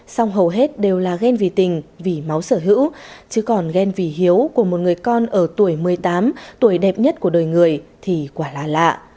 xong hầu hết đều là ghen vì tình vì máu sở hữu chứ còn ghen vỉ hiếu của một người con ở tuổi một mươi tám tuổi đẹp nhất của đời người thì quả là lạ